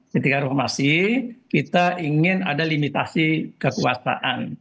ketika reformasi kita ingin ada limitasi kekuasaan